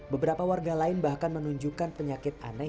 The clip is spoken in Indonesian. beberapa warga lain bahkan menunjukkan penyakit aneh